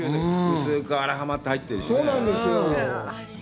薄く「あら浜」って入ってるしね。